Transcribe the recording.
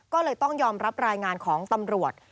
ก็เลยต้องยอมรับรายงานของตำรวจ